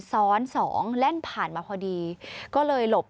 ซ้อนสองแล่นผ่านมาพอดีก็เลยหลบ